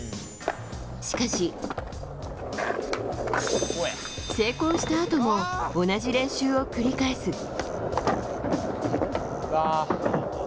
しかし、成功したあとも同じ練習を繰り返す。